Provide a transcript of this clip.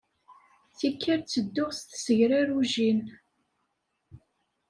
Tikkal ttedduɣ s tsegrarujin.